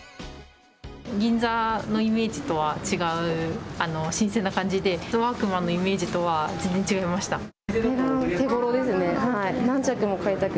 銀座のイメージとは違う、新鮮な感じで、ワークマンのイメージとは全然違いました。